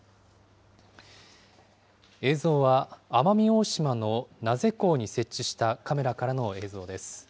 映像は奄美大島の名瀬港に設置したカメラからの映像です。